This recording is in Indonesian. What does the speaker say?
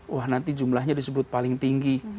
wah nanti jumlahnya disebut paling tinggi